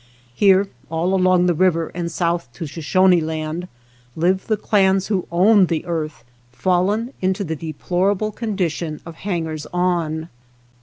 Here, all along the river, and south to Shoshone Land, live the clans who owned the earth, fallen into the deplorable condition of hangers on.